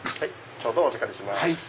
ちょうどお預かりします。